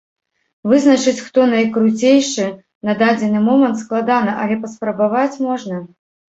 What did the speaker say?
Вызначыць, хто найкруцейшы на дадзены момант, складана, але паспрабаваць можна.